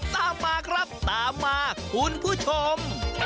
ตามมาครับตามมาคุณผู้ชม